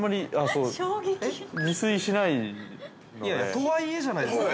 ◆とはいえ、じゃないですか。